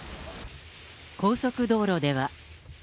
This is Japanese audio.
高速道路では。